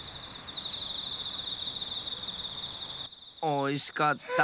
おいしかった！